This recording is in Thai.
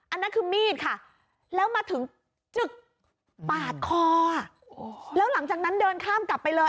อันนั้นคือมีดค่ะแล้วมาถึงจึกปาดคออ่ะแล้วหลังจากนั้นเดินข้ามกลับไปเลย